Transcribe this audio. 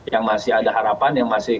yang masih ada harapan yang masih